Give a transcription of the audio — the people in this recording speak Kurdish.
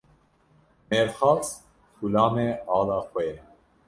Mêrxas, xulamê ala xwe ye.